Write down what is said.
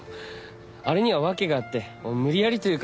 あれには訳があって無理やりというか。